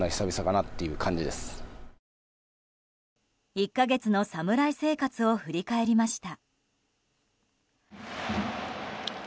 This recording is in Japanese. １か月の侍生活を振り返りました。